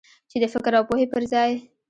چې د فکر او پوهې پر ځای.